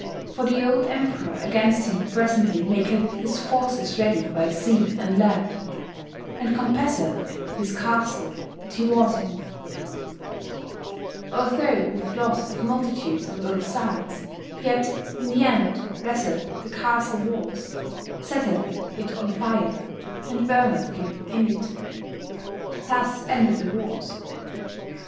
For the ould Emperour against him pressentlly maketh his forces reddy by sea and land, and compasseth his castell that he was in; although with loss of multitudes on both sides, yet in the end rasseth the castell walles, setteth it on fyre, and burneth hym in it. Thus ended the warres.